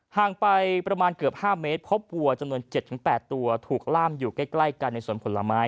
ห่างไปประมาณเกือบ๕เมตรพบวัวจำนวน๗๘ตัวถูกล่ามอยู่ใกล้กันในสวนผลไม้